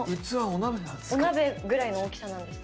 お鍋ぐらいの大きさです。